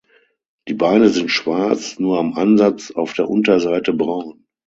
Die Beine sind schwarz, nur am Ansatz auf der Unterseite braun.